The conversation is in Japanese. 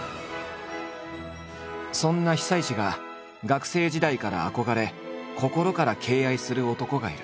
そんな久石が学生時代から憧れ心から敬愛する男がいる。